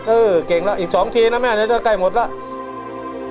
เออเก่งแล้วอีก๒๒น้ำทีใกล้หมดแล้ว